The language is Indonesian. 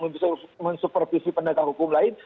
bisa mensupervisi penegak hukum lain